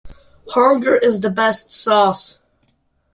Hunger is the best sauce.